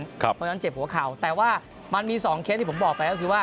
เพราะฉะนั้นเจ็บหัวเข่าแต่ว่ามันมี๒เคสที่ผมบอกไปก็คือว่า